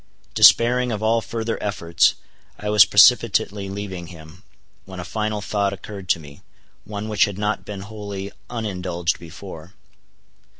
Despairing of all further efforts, I was precipitately leaving him, when a final thought occurred to me—one which had not been wholly unindulged before.